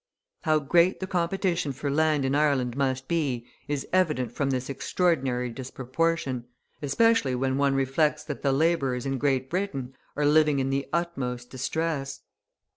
{272a} How great the competition for land in Ireland must be is evident from this extraordinary disproportion, especially when one reflects that the labourers in Great Britain are living in the utmost distress.